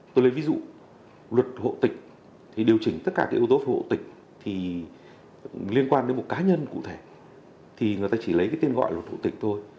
tôi lấy ví dụ luật hộ tịch thì điều chỉnh tất cả cái yếu tố hộ tịch thì liên quan đến một cá nhân cụ thể thì người ta chỉ lấy cái tên gọi luật hộ tịch thôi